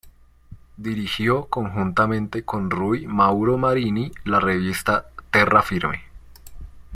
Dirigió conjuntamente con Ruy Mauro Marini la revista "Terra Firme".